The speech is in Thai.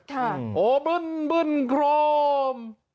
ค่ะโอ้บึ้นบึ้นโครม